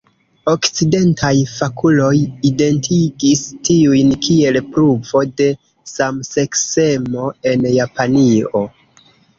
Okcidentaj fakuloj identigis tiujn kiel pruvo de samseksemo en Japanio.